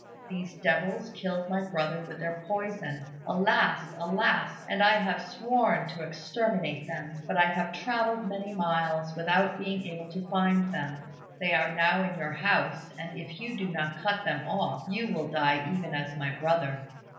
These devils killed my brother with their poison, alas! alas! and I have sworn to exterminate them; but I have travelled many miles without being able to find them. They are now in your house, and if you do not cut them off, you will die even as my brother."